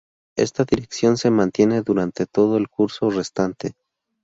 Esta dirección se mantiene durante todo el curso restante.